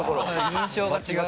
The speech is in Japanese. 印象が違う。